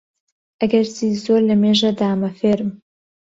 ئەگەرچی زۆر لەمێژە دامە فێرم